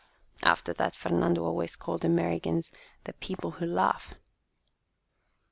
After that Fernando always called Americans " the people who laugh."